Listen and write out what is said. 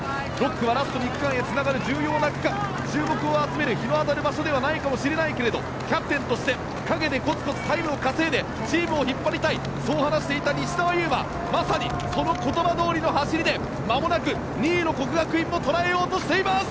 ６区はラスト２区間へつながる重要な区間注目を集める日の当たる場所ではないかもしれないけどキャプテンとして陰でこつこつタイムを稼いでチームを引っ張りたいそう話していた西澤侑真まさにその言葉どおりの走りでまもなく２位の國學院も捉えようとしています！